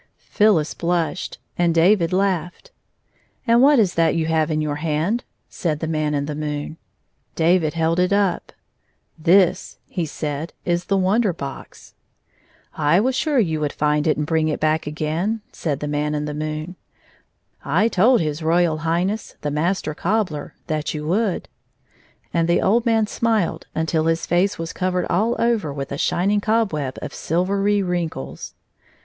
Phyllis blushed and David laughed. " And what is that you have in your hand 1 " said the Man in the moon. David held it up. " This," he said, " is the Wonder Box." " I was sure you would find it and bring it back again," said the Man in the moon. " I told his Royal Highness, the Master Cobbler, that you would," and the old man smiled until his face was covered all over with a shining cobweb of silvery wrinkles.